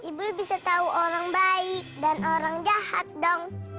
ibu bisa tahu orang baik dan orang jahat dong